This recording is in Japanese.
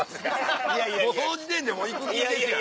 もうその時点で行く気ですやん！